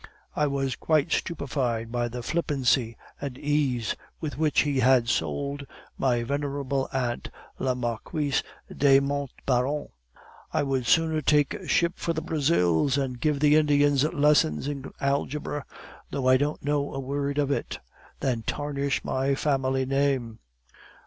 I was quite stupified by the flippancy and ease with which he had sold my venerable aunt, la Marquise de Montbauron. "'I would sooner take ship for the Brazils, and give the Indians lessons in algebra, though I don't know a word of it, than tarnish my family name.